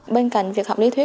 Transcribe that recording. bên cạnh việc học lý thuyết